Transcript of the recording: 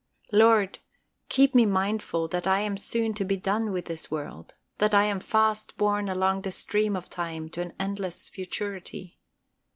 Lord, keep me mindful that I am soon to be done with this world, that I am fast borne along the stream of time to an endless futurity.